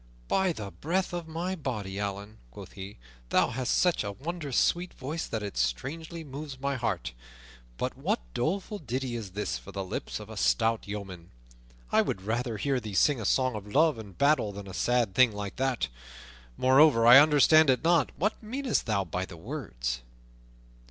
"By the breath of my body, Allan," quoth he, "thou hast such a wondrous sweet voice that it strangely moves my heart. But what doleful ditty is this for the lips of a stout yeoman? I would rather hear thee sing a song of love and battle than a sad thing like that. Moreover, I understand it not; what meanest thou by the words?"